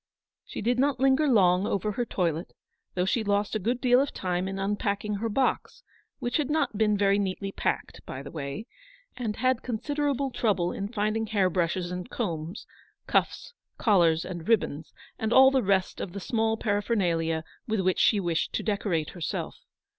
She did not linger long over her toilet, though she lost a good deal of time in unpacking her box — which had not been very neatly packed, by the way — and had considerable trouble in finding hair brushes and combs, cuffs, collars, and ribbons, and all the rest of the small paraphernalia with which she wished to decorate herself.